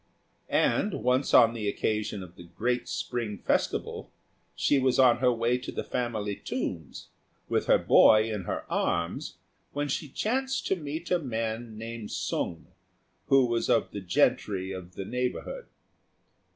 And once, on the occasion of the great spring festival, she was on her way to the family tombs, with her boy in her arms, when she chanced to meet a man named Sung, who was one of the gentry of the neighbourhood.